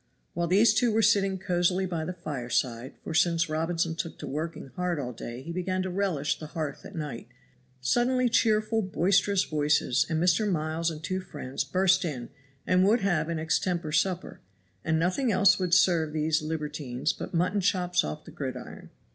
While these two were sitting cozily by the fireside for since Robinson took to working hard all day he began to relish the hearth at night suddenly cheerful, boisterous voices, and Mr. Miles and two friends burst in and would have an extempore supper, and nothing else would serve these libertines but mutton chops off the gridiron.